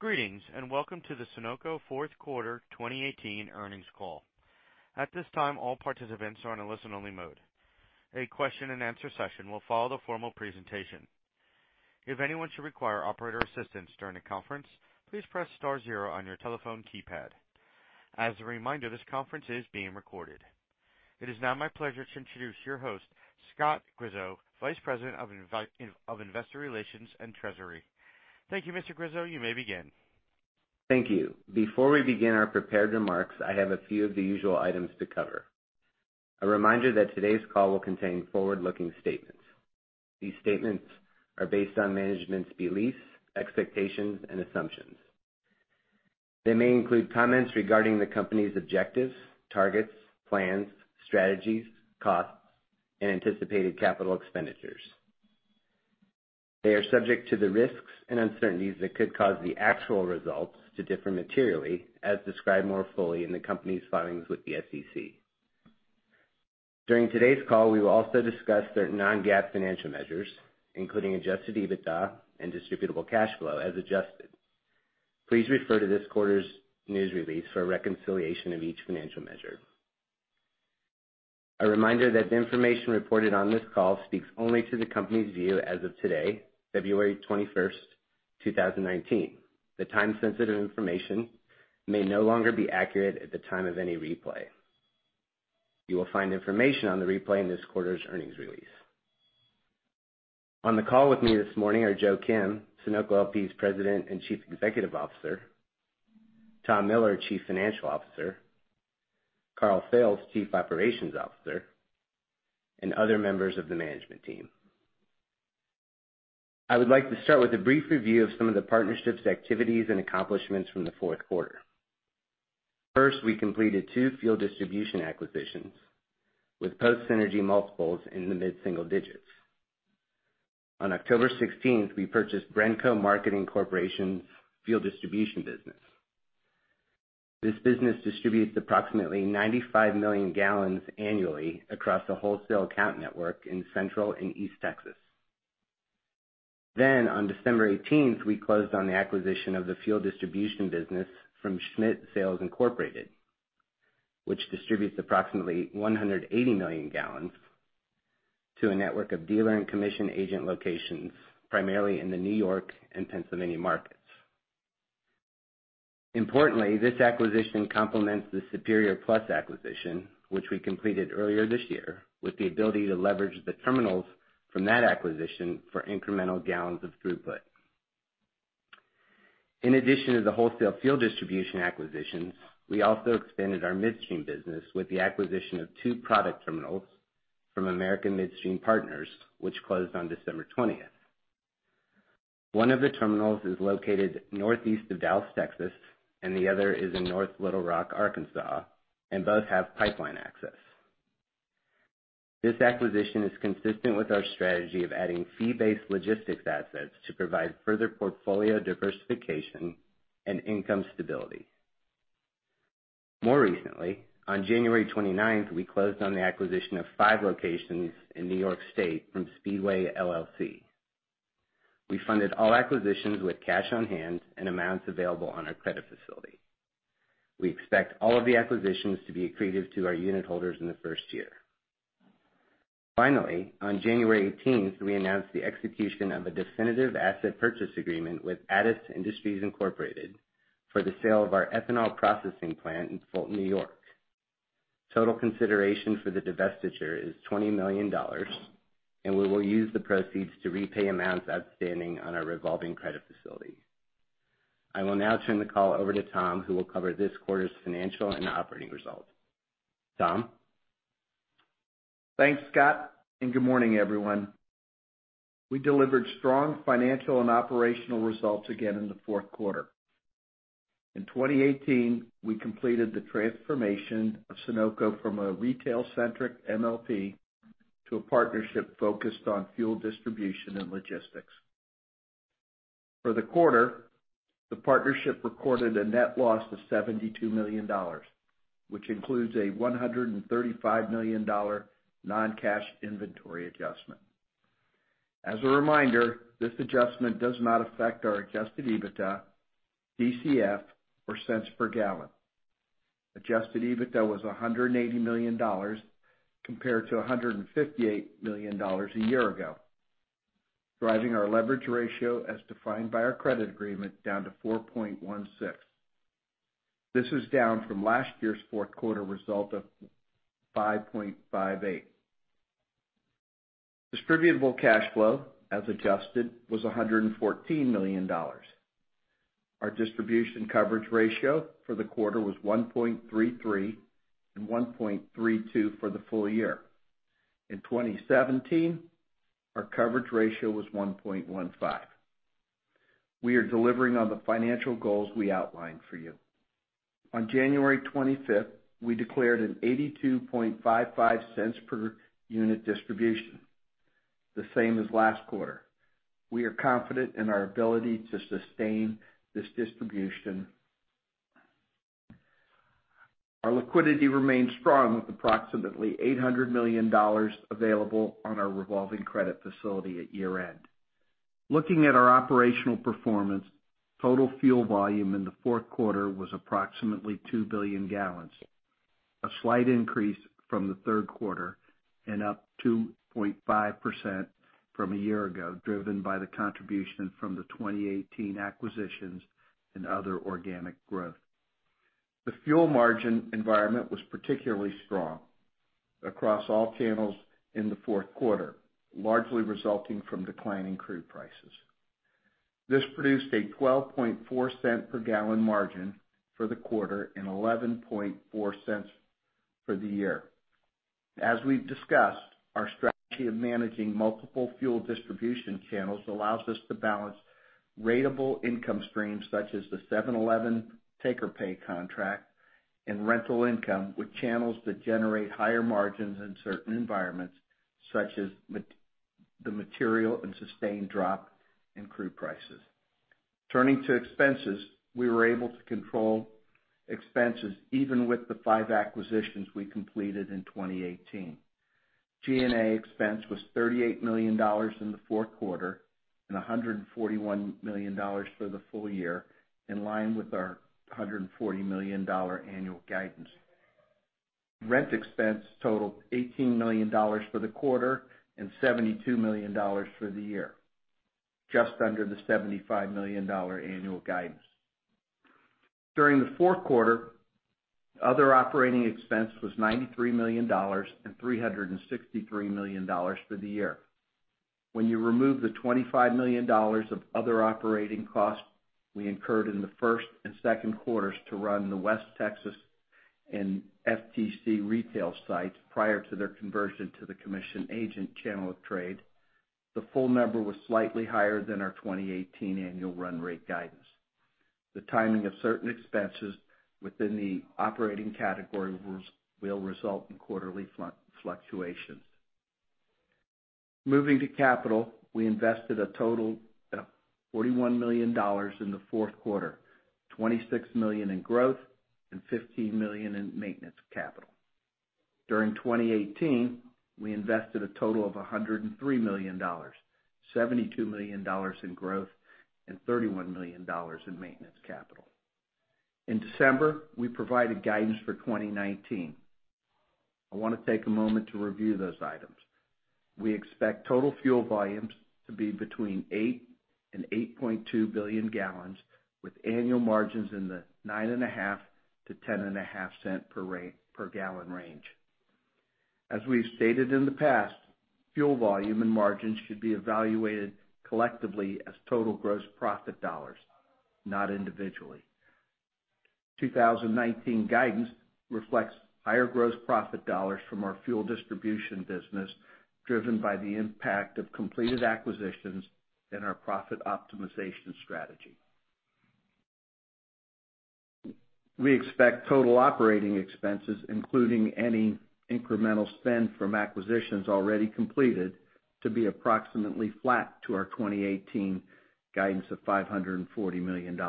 Greetings, welcome to the Sunoco fourth quarter 2018 earnings call. At this time, all participants are in a listen-only mode. A question and answer session will follow the formal presentation. If anyone should require operator assistance during the conference, please press star zero on your telephone keypad. As a reminder, this conference is being recorded. It is now my pleasure to introduce your host, Scott Grischow, Vice President of Investor Relations and Treasury. Thank you, Mr. Grischow. You may begin. Thank you. Before we begin our prepared remarks, I have a few of the usual items to cover. A reminder that today's call will contain forward-looking statements. These statements are based on management's beliefs, expectations, and assumptions. They may include comments regarding the company's objectives, targets, plans, strategies, costs, and anticipated capital expenditures. They are subject to the risks and uncertainties that could cause the actual results to differ materially, as described more fully in the company's filings with the SEC. During today's call, we will also discuss certain non-GAAP financial measures, including Adjusted EBITDA and distributable cash flow as adjusted. Please refer to this quarter's news release for a reconciliation of each financial measure. A reminder that the information reported on this call speaks only to the company's view as of today, February 21st, 2019. The time-sensitive information may no longer be accurate at the time of any replay. You will find information on the replay in this quarter's earnings release. On the call with me this morning are Joe Kim, Sunoco LP's President and Chief Executive Officer, Tom Miller, Chief Financial Officer, Karl Fails, Chief Operations Officer, and other members of the management team. I would like to start with a brief review of some of the partnership's activities and accomplishments from the fourth quarter. First, we completed two fuel distribution acquisitions with post-synergy multiples in the mid-single digits. On October 16th, we purchased BRENCO Marketing Corporation's fuel distribution business. This business distributes approximately 95 million gallons annually across a wholesale account network in Central and East Texas. On December 18th, we closed on the acquisition of the fuel distribution business from Schmitt Sales, Inc., which distributes approximately 180 million gallons to a network of dealer and commission agent locations, primarily in the New York and Pennsylvania markets. Importantly, this acquisition complements the Superior Plus acquisition, which we completed earlier this year, with the ability to leverage the terminals from that acquisition for incremental gallons of throughput. In addition to the wholesale fuel distribution acquisitions, we also expanded our midstream business with the acquisition of two product terminals from American Midstream Partners, which closed on December 20th. One of the terminals is located northeast of Dallas, Texas, and the other is in North Little Rock, Arkansas, and both have pipeline access. This acquisition is consistent with our strategy of adding fee-based logistics assets to provide further portfolio diversification and income stability. More recently, on January 29th, we closed on the acquisition of five locations in New York State from Speedway LLC. We funded all acquisitions with cash on hand and amounts available on our credit facility. We expect all of the acquisitions to be accretive to our unit holders in the first year. Finally, on January 18th, we announced the execution of a definitive asset purchase agreement with Attis Industries Incorporated for the sale of our ethanol processing plant in Fulton, New York. Total consideration for the divestiture is $20 million, and we will use the proceeds to repay amounts outstanding on our revolving credit facility. I will now turn the call over to Tom, who will cover this quarter's financial and operating results. Tom? Thanks, Scott, good morning, everyone. We delivered strong financial and operational results again in the fourth quarter. In 2018, we completed the transformation of Sunoco from a retail-centric MLP to a partnership focused on fuel distribution and logistics. For the quarter, the partnership recorded a net loss of $72 million, which includes a $135 million non-cash inventory adjustment. As a reminder, this adjustment does not affect our Adjusted EBITDA, DCF, or cents per gallon. Adjusted EBITDA was $180 million, compared to $158 million a year ago, driving our leverage ratio as defined by our credit agreement down to 4.16. This is down from last year's fourth quarter result of 5.58. Distributable cash flow, as adjusted, was $114 million. Our distribution coverage ratio for the quarter was 1.33 and 1.32 for the full year. In 2017, our coverage ratio was 1.15. We are delivering on the financial goals we outlined for you. On January 25th, we declared an $0.8255 per unit distribution, the same as last quarter. We are confident in our ability to sustain this distribution. Our liquidity remains strong with approximately $800 million available on our revolving credit facility at year-end. Looking at our operational performance, total fuel volume in the fourth quarter was approximately 2 billion gallons, a slight increase from the third quarter, and up 2.5% from a year ago, driven by the contribution from the 2018 acquisitions and other organic growth. The fuel margin environment was particularly strong across all channels in the fourth quarter, largely resulting from declining crude prices. This produced a $0.124 per gallon margin for the quarter and $0.114 for the year. As we've discussed, our strategy of managing multiple fuel distribution channels allows us to balance ratable income streams such as the 7-Eleven take-or-pay contract and rental income with channels that generate higher margins in certain environments, such as the material and sustained drop in crude prices. Turning to expenses, we were able to control expenses even with the five acquisitions we completed in 2018. G&A expense was $38 million in the fourth quarter and $141 million for the full year, in line with our $140 million annual guidance. Rent expense totaled $18 million for the quarter and $72 million for the year, just under the $75 million annual guidance. During the fourth quarter, other operating expense was $93 million and $363 million for the year. When you remove the $25 million of other operating costs we incurred in the first and second quarters to run the West Texas and FTC retail sites prior to their conversion to the commission agent channel of trade, the full number was slightly higher than our 2018 annual run rate guidance. The timing of certain expenses within the operating category will result in quarterly fluctuations. Moving to capital, we invested a total of $41 million in the fourth quarter, $26 million in growth, and $15 million in maintenance capital. During 2018, we invested a total of $103 million, $72 million in growth, and $31 million in maintenance capital. In December, we provided guidance for 2019. I want to take a moment to review those items. We expect total fuel volumes to be between eight and 8.2 billion gallons, with annual margins in the $0.095-$0.105 per gallon range. As we've stated in the past, fuel volume and margins should be evaluated collectively as total gross profit dollars, not individually. 2019 guidance reflects higher gross profit dollars from our fuel distribution business, driven by the impact of completed acquisitions and our profit optimization strategy. We expect total operating expenses, including any incremental spend from acquisitions already completed, to be approximately flat to our 2018 guidance of $540 million.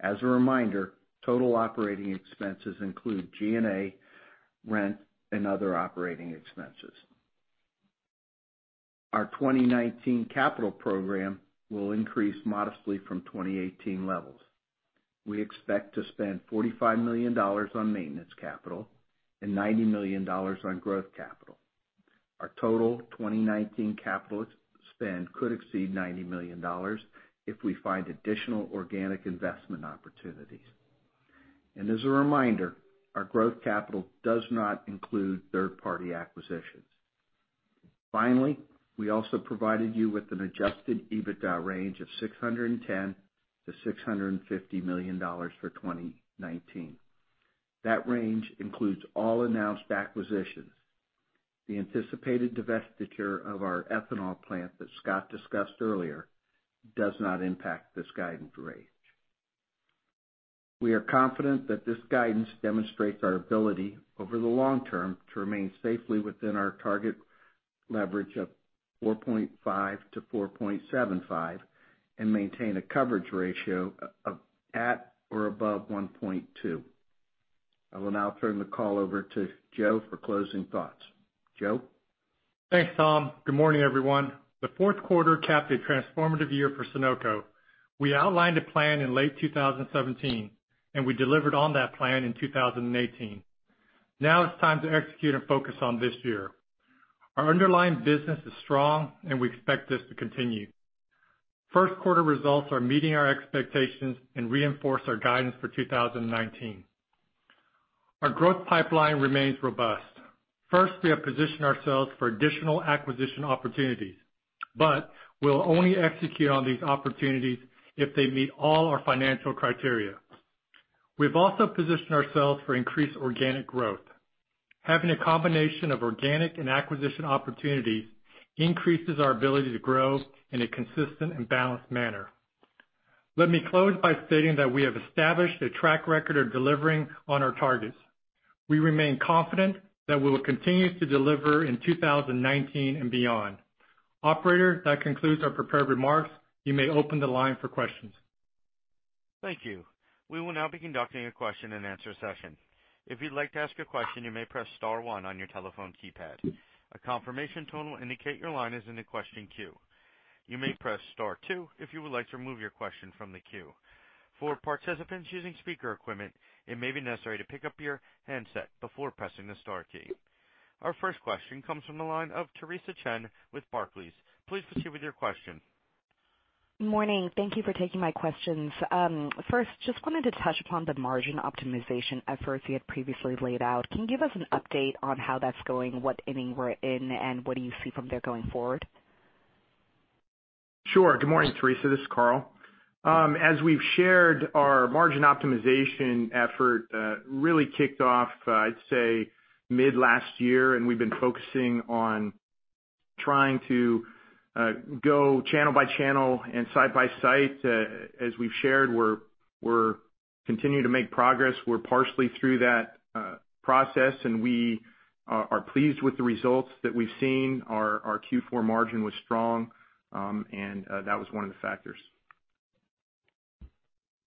As a reminder, total operating expenses include G&A, rent, and other operating expenses. Our 2019 capital program will increase modestly from 2018 levels. We expect to spend $45 million on maintenance capital and $90 million on growth capital. Our total 2019 capital spend could exceed $90 million if we find additional organic investment opportunities. As a reminder, our growth capital does not include third-party acquisitions. Finally, we also provided you with an Adjusted EBITDA range of $610 million-$650 million for 2019. That range includes all announced acquisitions. The anticipated divestiture of our ethanol plant that Scott discussed earlier does not impact this guidance range. We are confident that this guidance demonstrates our ability, over the long term, to remain safely within our target leverage of 4.5 to 4.75, and maintain a coverage ratio at or above 1.2. I will now turn the call over to Joe for closing thoughts. Joe? Thanks, Tom. Good morning, everyone. The fourth quarter capped a transformative year for Sunoco. We outlined a plan in late 2017. We delivered on that plan in 2018. Now it's time to execute and focus on this year. Our underlying business is strong. We expect this to continue. First quarter results are meeting our expectations and reinforce our guidance for 2019. Our growth pipeline remains robust. First, we have positioned ourselves for additional acquisition opportunities. We'll only execute on these opportunities if they meet all our financial criteria. We've also positioned ourselves for increased organic growth. Having a combination of organic and acquisition opportunities increases our ability to grow in a consistent and balanced manner. Let me close by stating that we have established a track record of delivering on our targets. We remain confident that we will continue to deliver in 2019 and beyond. Operator, that concludes our prepared remarks. You may open the line for questions. Thank you. We will now be conducting a question and answer session. If you'd like to ask a question, you may press star one on your telephone keypad. A confirmation tone will indicate your line is in the question queue. You may press star two if you would like to remove your question from the queue. For participants using speaker equipment, it may be necessary to pick up your handset before pressing the star key. Our first question comes from the line of Theresa Chen with Barclays. Please proceed with your question. Morning. Thank you for taking my questions. First, just wanted to touch upon the margin optimization efforts you had previously laid out. Can you give us an update on how that's going, what inning we're in, and what do you see from there going forward? Sure. Good morning, Theresa. This is Karl. As we've shared, our margin optimization effort really kicked off, I'd say, mid last year, and we've been focusing on trying to go channel by channel and site by site. As we've shared, we're continuing to make progress. We're partially through that process, and we are pleased with the results that we've seen. Our Q4 margin was strong, and that was one of the factors.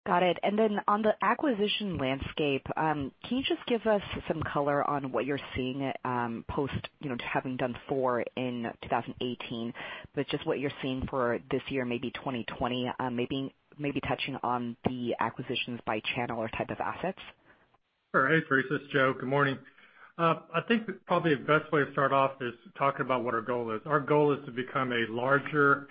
Got it. Then on the acquisition landscape, can you just give us some color on what you're seeing post having done four in 2018? Just what you're seeing for this year, maybe 2020, maybe touching on the acquisitions by channel or type of assets. Sure. Hey, Theresa. It's Joe. Good morning. I think probably the best way to start off is talking about what our goal is. Our goal is to become a larger,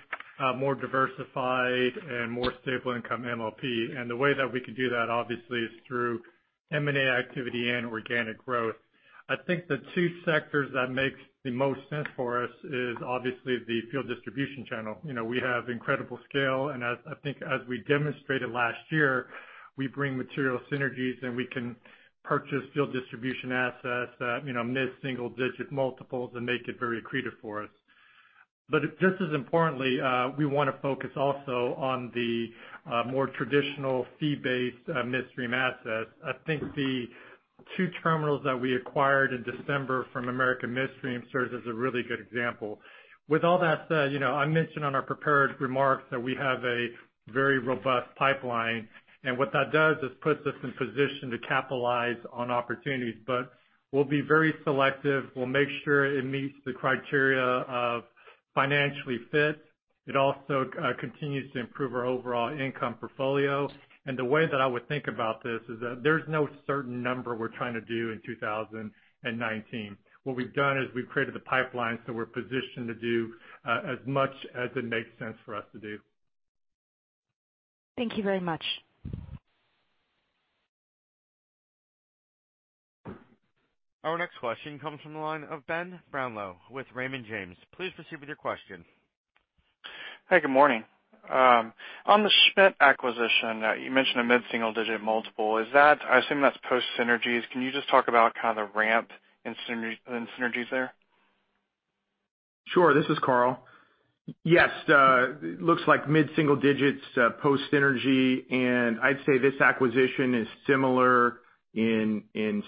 more diversified, and more stable income MLP. The way that we can do that obviously is through M&A activity and organic growth. I think the two sectors that makes the most sense for us is obviously the fuel distribution channel. We have incredible scale, and I think as we demonstrated last year, we bring material synergies, and we can purchase fuel distribution assets that mid-single digit multiples and make it very accretive for us. Just as importantly, we want to focus also on the more traditional fee-based midstream assets. I think the two terminals that we acquired in December from American Midstream serves as a really good example. With all that said, I mentioned on our prepared remarks that we have a very robust pipeline, what that does is puts us in position to capitalize on opportunities. We'll be very selective. We'll make sure it meets the criteria of financially fit. It also continues to improve our overall income portfolio. The way that I would think about this is that there's no certain number we're trying to do in 2019. What we've done is we've created the pipeline, we're positioned to do as much as it makes sense for us to do. Thank you very much. Our next question comes from the line of Ben Brownlow with Raymond James. Please proceed with your question. Hey, good morning. On the Schmitt acquisition, you mentioned a mid-single digit multiple. I assume that's post synergies. Can you just talk about the ramp in synergies there? Sure. This is Karl. Yes. Looks like mid-single digits, post synergy, and I'd say this acquisition is similar in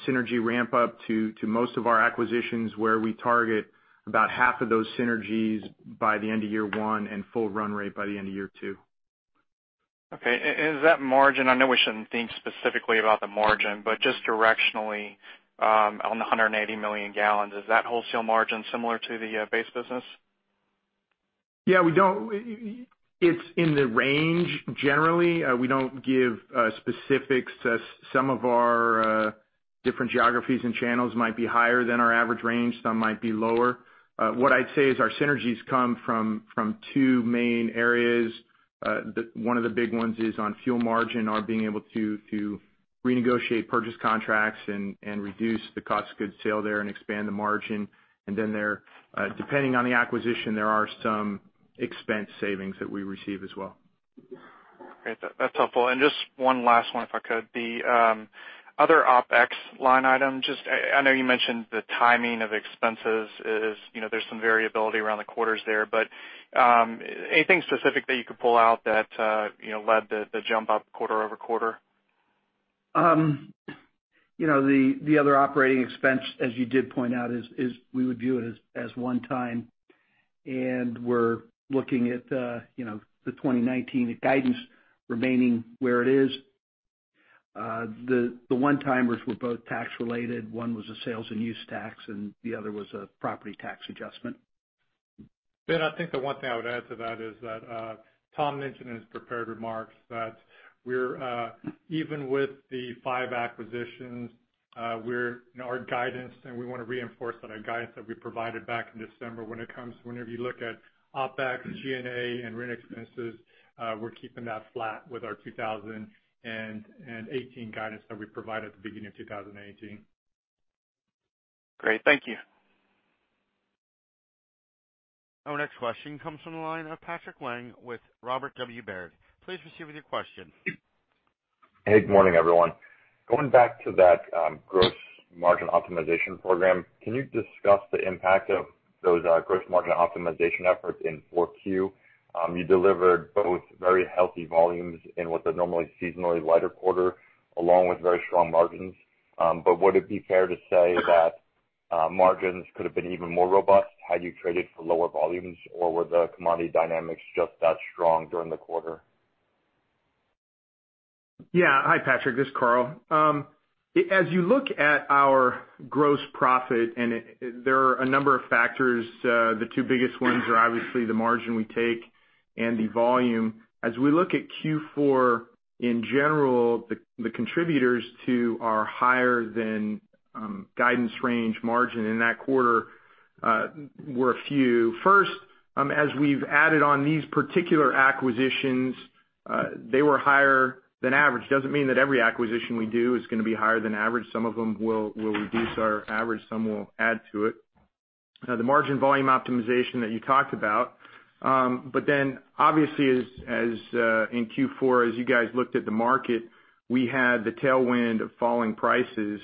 synergy ramp up to most of our acquisitions where we target about half of those synergies by the end of year one and full run rate by the end of year two. Okay. Is that margin, I know we shouldn't think specifically about the margin, but just directionally, on the 180 million gallons, is that wholesale margin similar to the base business? Yeah, it's in the range. Generally, we don't give specifics as some of our different geographies and channels might be higher than our average range, some might be lower. What I'd say is our synergies come from two main areas. One of the big ones is on fuel margin, our being able to renegotiate purchase contracts and reduce the cost of goods sold there and expand the margin. Depending on the acquisition, there are some expense savings that we receive as well. Great. That's helpful. Just one last one, if I could. The other OpEx line item, I know you mentioned the timing of expenses is there's some variability around the quarters there, anything specific that you could pull out that led the jump up quarter-over-quarter? The other operating expense, as you did point out, is we would view it as one-time, we're looking at the 2019 guidance remaining where it is. The one-timers were both tax related. One was a sales and use tax, the other was a property tax adjustment. Ben, I think the one thing I would add to that is that Tom mentioned in his prepared remarks that even with the five acquisitions, our guidance, we want to reinforce that our guidance that we provided back in December, whenever you look at OpEx, G&A, and rent expenses, we're keeping that flat with our 2018 guidance that we provided at the beginning of 2018. Great. Thank you. Our next question comes from the line of Patrick Wang with Robert W. Baird. Please proceed with your question. Hey, good morning, everyone. Going back to that gross margin optimization program, can you discuss the impact of those gross margin optimization efforts in 4Q? You delivered both very healthy volumes in what's a normally seasonally lighter quarter, along with very strong margins. Would it be fair to say that margins could have been even more robust had you traded for lower volumes? Were the commodity dynamics just that strong during the quarter? Yeah. Hi, Patrick, this is Karl. As you look at our gross profit, there are a number of factors, the two biggest ones are obviously the margin we take and the volume. As we look at Q4, in general, the contributors to our higher than guidance range margin in that quarter were a few. First, as we've added on these particular acquisitions, they were higher than average. Doesn't mean that every acquisition we do is going to be higher than average. Some of them will reduce our average, some will add to it. The margin volume optimization that you talked about. Obviously in Q4, as you guys looked at the market, we had the tailwind of falling prices.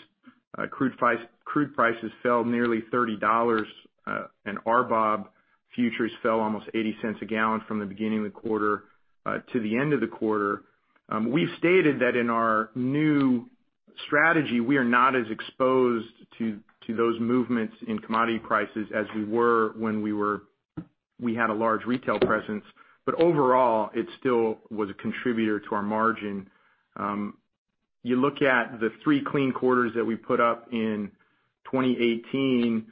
Crude prices fell nearly $30, and RBOB futures fell almost $0.80 a gallon from the beginning of the quarter to the end of the quarter. We've stated that in our new strategy, we are not as exposed to those movements in commodity prices as we were when we had a large retail presence. Overall, it still was a contributor to our margin. You look at the 3 clean quarters that we put up in 2018.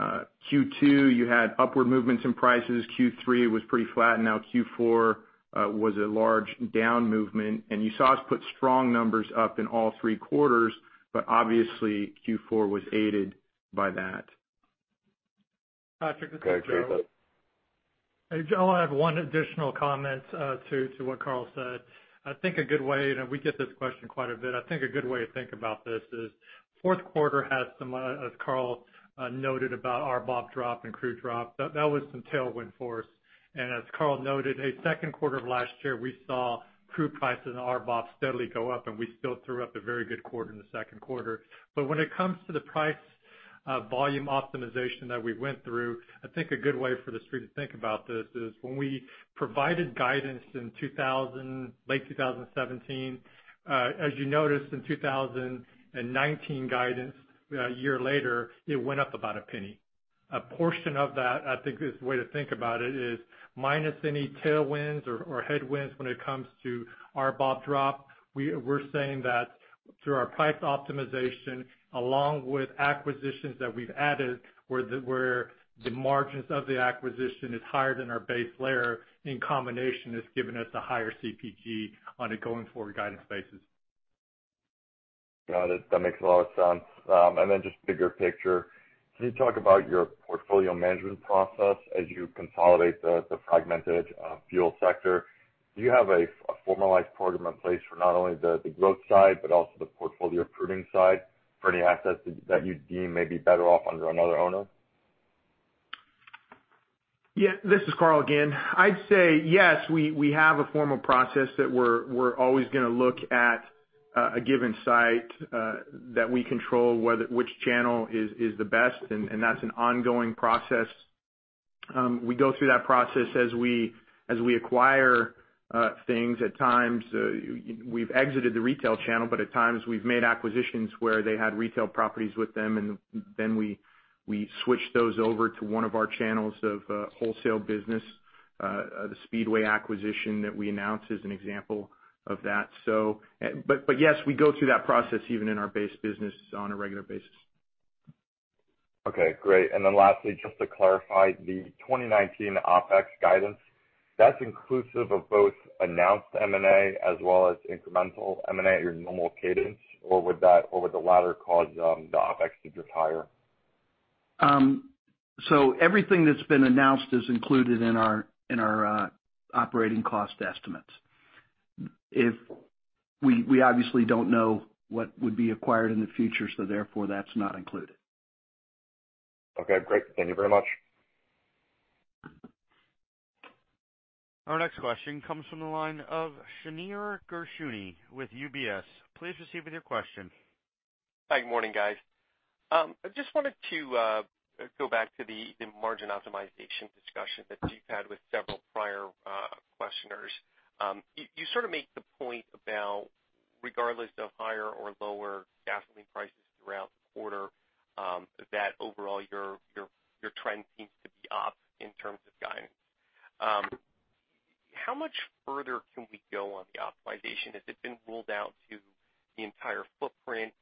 Q2, you had upward movements in prices. Q3 was pretty flat. Now Q4 was a large down movement. You saw us put strong numbers up in all 3 quarters, but obviously Q4 was aided by that. Patrick, this is Joe. Go ahead, Joe. Hey, Joe, I have one additional comment to what Karl said. We get this question quite a bit. I think a good way to think about this is, fourth quarter had some, as Karl noted, about RBOB drop and crude drop. That was some tailwind force. As Karl noted, at second quarter of last year, we saw crude prices and RBOB steadily go up, and we still threw up a very good quarter in the second quarter. When it comes to the price volume optimization that we went through, I think a good way for the street to think about this is when we provided guidance in late 2017, as you noticed in 2019 guidance, a year later, it went up about $0.01. A portion of that, I think this way to think about it is, minus any tailwinds or headwinds when it comes to RBOB drop, we're saying that through our price optimization, along with acquisitions that we've added, where the margins of the acquisition is higher than our base layer, in combination, it's given us a higher CPG on a going forward guidance basis. Got it. That makes a lot of sense. Just bigger picture, can you talk about your portfolio management process as you consolidate the fragmented fuel sector? Do you have a formalized program in place for not only the growth side, but also the portfolio pruning side for any assets that you deem may be better off under another owner? Yeah, this is Karl again. I'd say yes, we have a formal process that we're always going to look at a given site that we control which channel is the best, and that's an ongoing process. We go through that process as we acquire things at times. We've exited the retail channel, but at times we've made acquisitions where they had retail properties with them, and then we switch those over to one of our channels of wholesale business. The Speedway acquisition that we announced is an example of that. Yes, we go through that process even in our base business on a regular basis. Okay, great. Lastly, just to clarify the 2019 OPEX guidance. That's inclusive of both announced M&A as well as incremental M&A at your normal cadence, or would the latter cause the OPEX to drift higher? Everything that's been announced is included in our operating cost estimates. We obviously don't know what would be acquired in the future, so therefore that's not included. Okay, great. Thank you very much. Our next question comes from the line of Shneur Gershuni with UBS. Please proceed with your question. Hi, good morning, guys. I just wanted to go back to the margin optimization discussion that you've had with several prior questioners. You sort of make the point about regardless of higher or lower gasoline prices throughout the quarter, that overall your trend seems to be up in terms of guidance. How much further can we go on the optimization? Has it been rolled out to the entire footprint?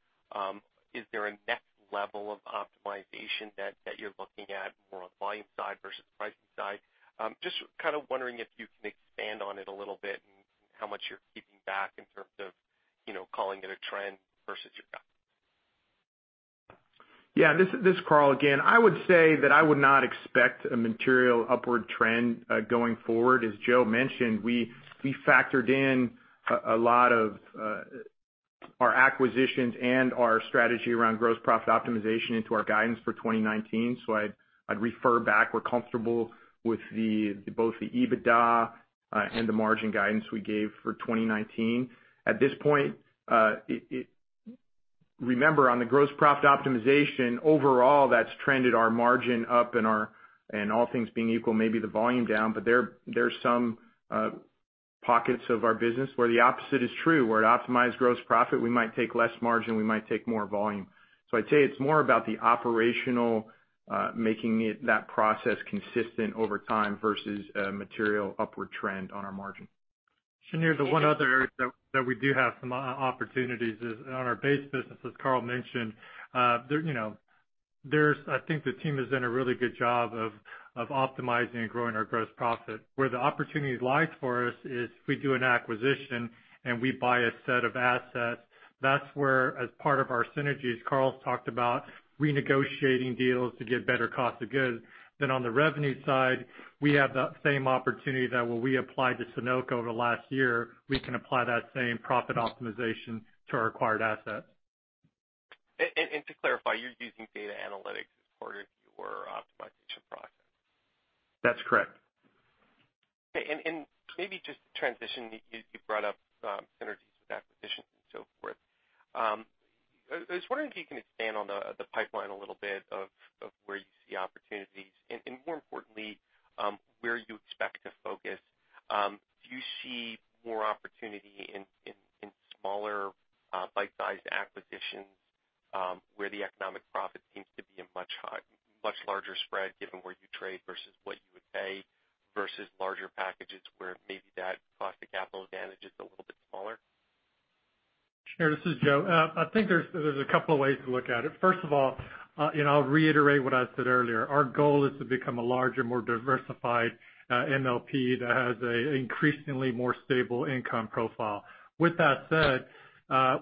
Is there a next level of optimization that you're looking at more on the volume side versus pricing side? Just kind of wondering if you can expand on it a little bit and how much you're keeping back in terms of calling it a trend versus your guidance. This is Karl again. I would say that I would not expect a material upward trend going forward. As Joe mentioned, we factored in a lot of our acquisitions and our strategy around gross profit optimization into our guidance for 2019. I'd refer back, we're comfortable with both the EBITDA and the margin guidance we gave for 2019. At this point, remember on the gross profit optimization overall, that's trended our margin up and all things being equal, maybe the volume down, there's some pockets of our business where the opposite is true, where to optimize gross profit, we might take less margin, we might take more volume. I'd say it's more about the operational, making that process consistent over time versus a material upward trend on our margin. Shneur, the one other area that we do have some opportunities is on our base business, as Karl mentioned. I think the team has done a really good job of optimizing and growing our gross profit. Where the opportunities lie for us is if we do an acquisition and we buy a set of assets. That's where, as part of our synergies, Karl's talked about renegotiating deals to get better cost of goods. On the revenue side, we have that same opportunity that when we applied to Sunoco over the last year, we can apply that same profit optimization to our acquired assets. To clarify, you're using data analytics as part of your optimization process? That's correct. Okay, maybe just to transition, you brought up synergies with acquisitions and so forth. I was wondering if you can expand on the pipeline a little bit of where you see opportunities and more importantly, where you expect to focus. Do you see more opportunity in smaller bite-sized acquisitions, where the economic profit seems to be a much larger spread, given where you trade versus what you would pay, versus larger packages where maybe that cost of capital advantage is a little bit smaller? Shneur, this is Joe. I think there's a couple of ways to look at it. First of all, I'll reiterate what I said earlier. Our goal is to become a larger, more diversified MLP that has an increasingly more stable income profile. That said,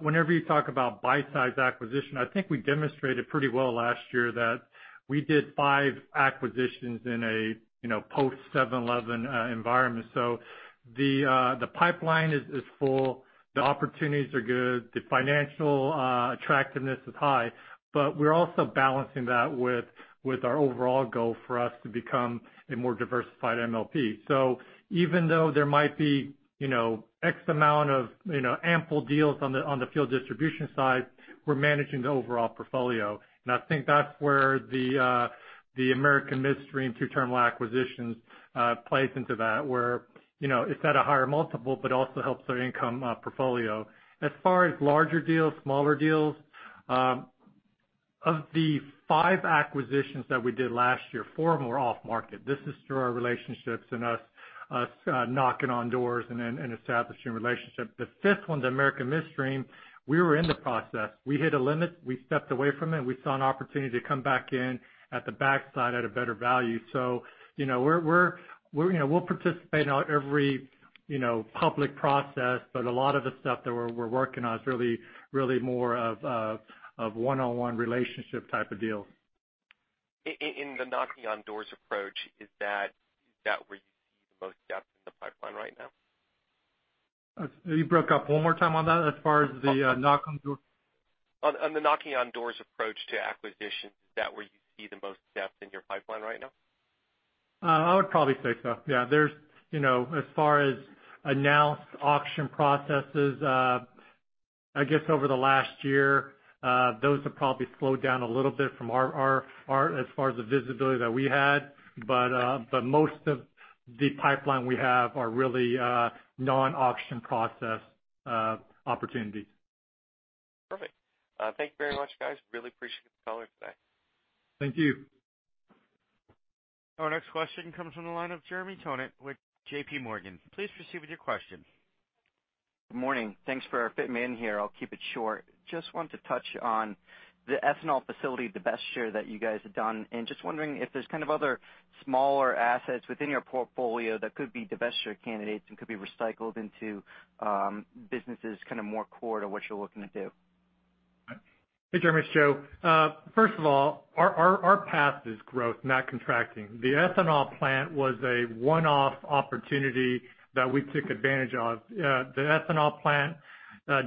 whenever you talk about bite-sized acquisition, I think we demonstrated pretty well last year that we did five acquisitions in a post-7-Eleven environment. The pipeline is full. The opportunities are good. The financial attractiveness is high. We're also balancing that with our overall goal for us to become a more diversified MLP. Even though there might be X amount of ample deals on the fuel distribution side, we're managing the overall portfolio. I think that's where the American Midstream two terminal acquisitions plays into that, where it's at a higher multiple, but also helps their income portfolio. As far as larger deals, smaller deals, of the five acquisitions that we did last year, four of them were off-market. This is through our relationships and us knocking on doors and establishing relationships. The fifth one, the American Midstream, we were in the process. We hit a limit. We stepped away from it. We saw an opportunity to come back in at the backside at a better value. We'll participate in every public process, but a lot of the stuff that we're working on is really more of one-on-one relationship type of deals. In the knocking on doors approach, is that where you see the most depth in the pipeline right now? You broke up. One more time on that, as far as the knock on doors? On the knocking on doors approach to acquisitions, is that where you see the most depth in your pipeline right now? I would probably say so, yeah. As far as announced auction processes, I guess over the last year, those have probably slowed down a little bit from our end, as far as the visibility that we had. Most of the pipeline we have are really non-auction process opportunities. Perfect. Thank you very much, guys. Really appreciate the color today. Thank you. Our next question comes from the line of Jeremy Tonet with J.P. Morgan. Please proceed with your question. Good morning. Thanks for fitting me in here. I'll keep it short. Just wanted to touch on the ethanol facility, the best share that you guys have done, and just wondering if there's kind of other smaller assets within your portfolio that could be divestiture candidates and could be recycled into businesses kind of more core to what you're looking to do. Hey, Jeremy. It's Joe. First of all, our path is growth, not contracting. The ethanol plant was a one-off opportunity that we took advantage of. The ethanol plant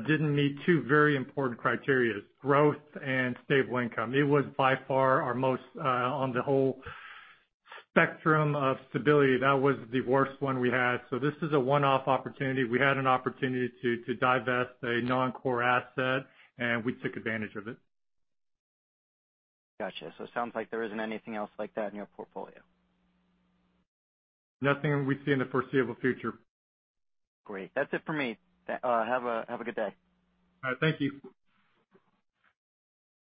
didn't meet two very important criterias, growth and stable income. It was by far our most, on the whole spectrum of stability, that was the worst one we had. This is a one-off opportunity. We had an opportunity to divest a non-core asset, we took advantage of it. Got you. It sounds like there isn't anything else like that in your portfolio. Nothing we see in the foreseeable future. Great. That's it for me. Have a good day. All right. Thank you.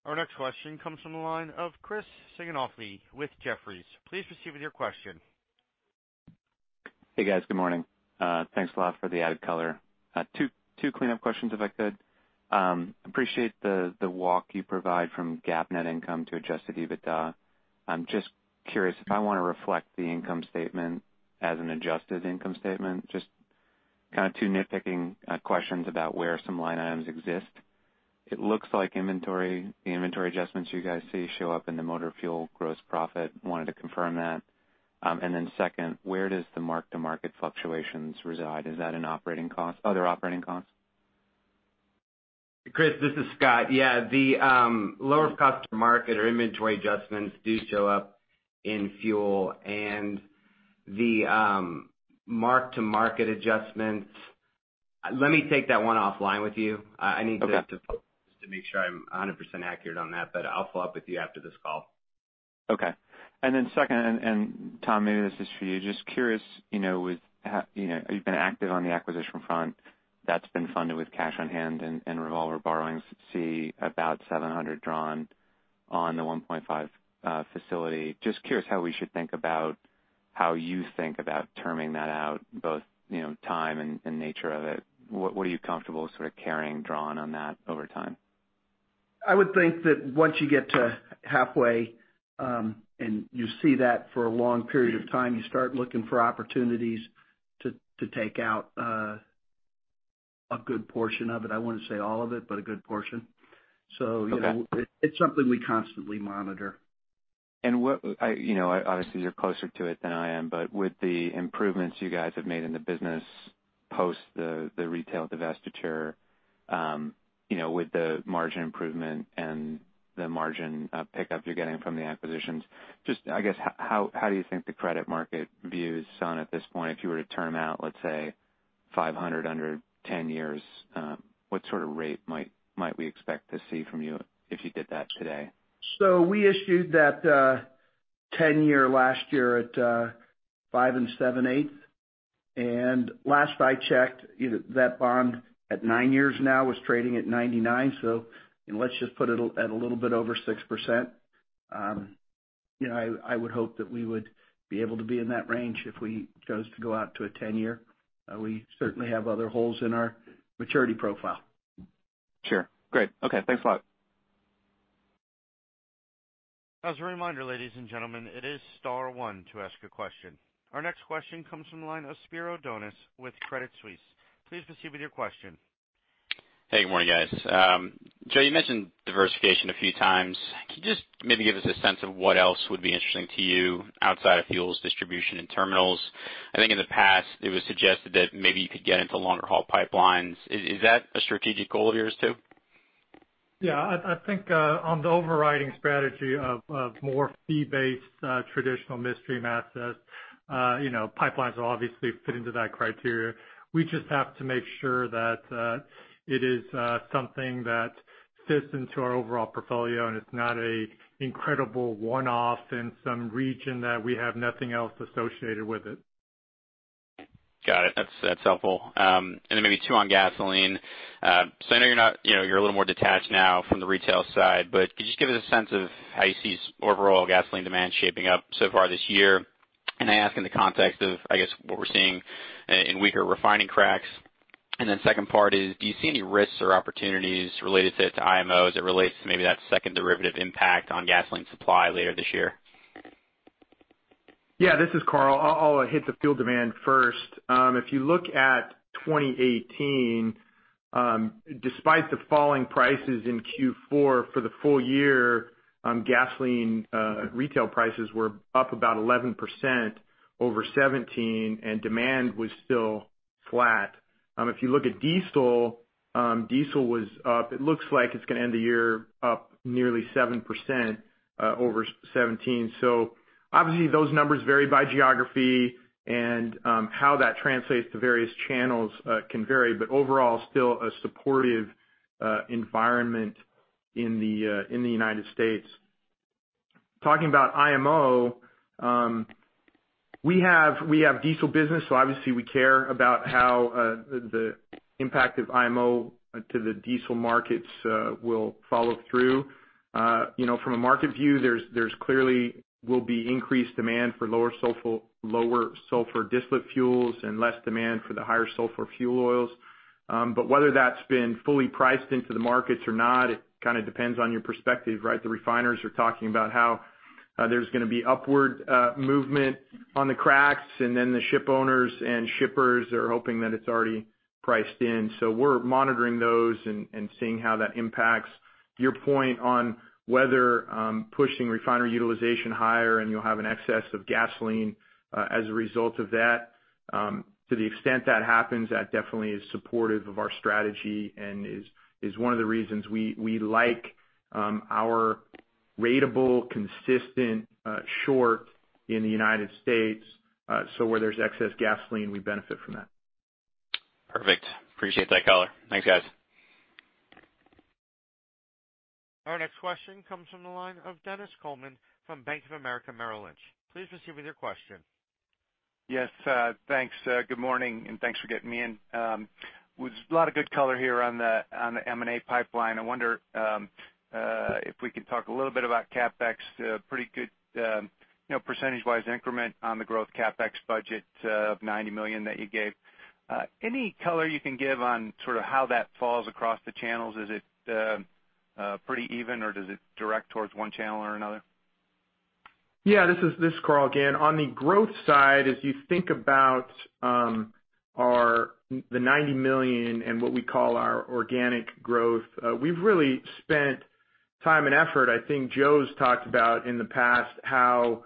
Our next question comes from the line of Chris Sighinolfi with Jefferies. Please proceed with your question. Hey, guys. Good morning. Thanks a lot for the added color. Two cleanup questions if I could. Appreciate the walk you provide from GAAP net income to Adjusted EBITDA. I'm just curious, if I want to reflect the income statement as an adjusted income statement, just kind of two nitpicking questions about where some line items exist. It looks like the inventory adjustments you guys see show up in the motor fuel gross profit. Wanted to confirm that. Then second, where does the mark-to-market fluctuations reside? Is that in other operating costs? Chris, this is Scott. Yeah. The lower of cost or market or inventory adjustments do show up in fuel, the mark-to-market adjustments. Let me take that one offline with you. Okay. I need to make sure I'm 100% accurate on that, but I'll follow up with you after this call. Okay. Then second, Tom, maybe this is for you. Just curious, you've been active on the acquisition front, that's been funded with cash on hand and revolver borrowings. You see about $700 million drawn on the $1.5 billion facility. Just curious how we should think about how you think about terming that out, both time and nature of it. What are you comfortable sort of carrying drawn on that over time? I would think that once you get to halfway, and you see that for a long period of time, you start looking for opportunities to take out a good portion of it. I wouldn't say all of it, but a good portion. Okay. It's something we constantly monitor. Obviously you're closer to it than I am, but with the improvements you guys have made in the business post the retail divestiture, with the margin improvement and the margin pickup you're getting from the acquisitions, just, I guess, how do you think the credit market views Sunoco at this point? If you were to term out, let's say, $500 under 10 years, what sort of rate might we expect to see from you if you did that today? We issued that 10-year last year at five and seven-eighth. Last I checked, that bond at nine years now was trading at 99. Let's just put it at a little bit over 6%. I would hope that we would be able to be in that range if we chose to go out to a 10-year. We certainly have other holes in our maturity profile. Sure. Great. Okay. Thanks a lot. As a reminder, ladies and gentlemen, it is star one to ask a question. Our next question comes from the line of Spiro Dounis with Credit Suisse. Please proceed with your question. Hey, good morning, guys. Joe, you mentioned diversification a few times. Can you just maybe give us a sense of what else would be interesting to you outside of fuels, distribution, and terminals? I think in the past, it was suggested that maybe you could get into longer-haul pipelines. Is that a strategic goal of yours, too? Yeah. I think, on the overriding strategy of more fee-based, traditional midstream assets. Pipelines obviously fit into that criteria. We just have to make sure that it is something that fits into our overall portfolio, and it's not an incredible one-off in some region that we have nothing else associated with it. Got it. That is helpful. Maybe two on gasoline. I know you are a little more detached now from the retail side, but could you just give us a sense of how you see overall gasoline demand shaping up so far this year? I ask in the context of, I guess, what we are seeing in weaker refining cracks. The second part is, do you see any risks or opportunities related to IMO, as it relates to maybe that second derivative impact on gasoline supply later this year? This is Karl. I will hit the fuel demand first. If you look at 2018, despite the falling prices in Q4 for the full year, gasoline retail prices were up about 11% over 2017, and demand was still flat. If you look at diesel was up. It looks like it is going to end the year up nearly 7% over 2017. Obviously those numbers vary by geography and how that translates to various channels can vary. Overall, still a supportive environment in the United States. Talking about IMO, we have diesel business, obviously we care about how the impact of IMO to the diesel markets will follow through. From a market view, there clearly will be increased demand for lower sulfur distillate fuels and less demand for the higher sulfur fuel oils. Whether that has been fully priced into the markets or not, it kind of depends on your perspective, right? The refiners are talking about how there is going to be upward movement on the cracks, the ship owners and shippers are hoping that it is already priced in. We are monitoring those and seeing how that impacts your point on whether pushing refinery utilization higher, and you will have an excess of gasoline as a result of that. To the extent that happens, that definitely is supportive of our strategy and is one of the reasons we like our ratable, consistent short in the United States. Where there is excess gasoline, we benefit from that. Perfect. Appreciate that color. Thanks, guys. Our next question comes from the line of Dennis Coleman from Bank of America Merrill Lynch. Please proceed with your question. Yes, thanks. Good morning, and thanks for getting me in. There's a lot of good color here on the M&A pipeline. I wonder if we can talk a little bit about CapEx. Pretty good percentage-wise increment on the growth CapEx budget of $90 million that you gave. Any color you can give on sort of how that falls across the channels? Is it pretty even, or does it direct towards one channel or another? Yeah, this is Karl again. On the growth side, as you think about the $90 million and what we call our organic growth, we've really spent time and effort. I think Joe's talked about in the past how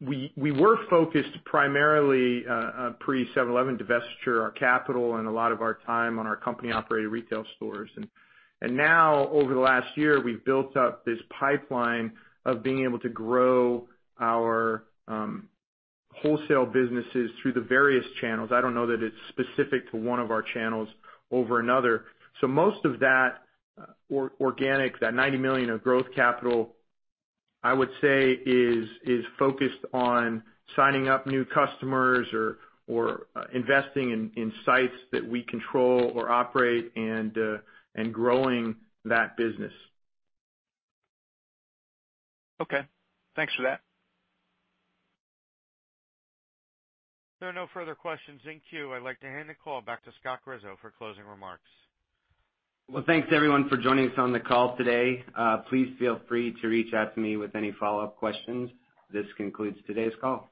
we were focused primarily, pre 7-Eleven divestiture, our capital and a lot of our time on our company-operated retail stores. Now, over the last year, we've built up this pipeline of being able to grow our wholesale businesses through the various channels. I don't know that it's specific to one of our channels over another. Most of that organic, that $90 million of growth capital, I would say is focused on signing up new customers or investing in sites that we control or operate and growing that business. Okay. Thanks for that. If there are no further questions in queue, I'd like to hand the call back to Scott Grischow for closing remarks. Well, thanks everyone for joining us on the call today. Please feel free to reach out to me with any follow-up questions. This concludes today's call.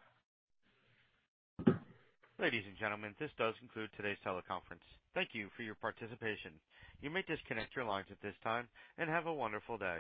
Ladies and gentlemen, this does conclude today's teleconference. Thank you for your participation. You may disconnect your lines at this time, and have a wonderful day.